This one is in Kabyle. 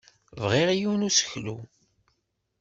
Bbiɣ yiwen n useklu.